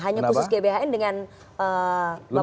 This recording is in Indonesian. hanya khusus gban dengan bambang susatyo dengan fasih golkar